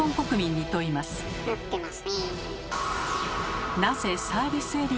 なってますねえ。